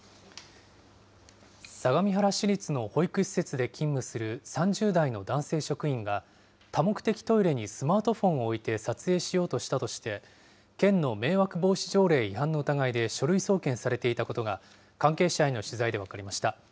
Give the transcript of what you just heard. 相模原市立の保育施設で勤務する３０代の男性職員が、多目的トイレにスマートフォンを置いて撮影しようとしたとして、県の迷惑防止条例違反の疑いで書類送検されていたことが、関係者への取材で分かりました。